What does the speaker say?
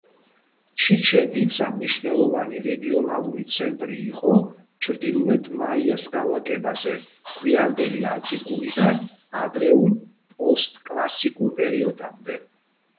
ჩიჩენ-იცა მნიშვნელოვანი რეგიონული ცენტრი იყო ჩრდილოეთ მაიას გავაკებაზე გვიანდელი ანტიკურიდან ადრეულ პოსტკლასიკურ პერიოდამდე.